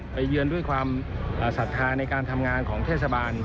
เยือนด้วยความศรัทธาในการทำงานของเทศบาล